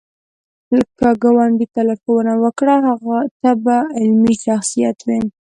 که ګاونډي ته لارښوونه وکړه، ته به علمي شخصیت وې